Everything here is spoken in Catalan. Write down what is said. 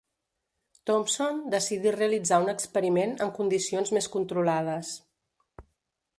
Thompson decidí realitzar un experiment en condicions més controlades.